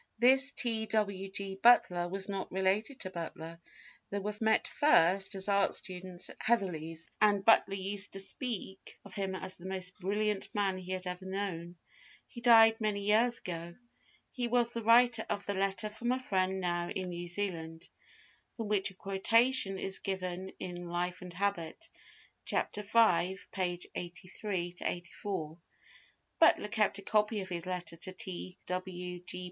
This T. W. G. Butler was not related to Butler, they met first as art students at Heatherley's, and Butler used to speak of him as the most brilliant man he had ever known. He died many years ago. He was the writer of the "letter from a friend now in New Zealand," from which a quotation is given in Life and Habit, Chapter V (pp. 83, 84). Butler kept a copy of his letter to T. W. G.